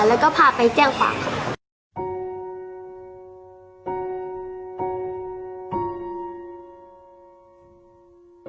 แล้วก็พาไปแจ้งความค่ะ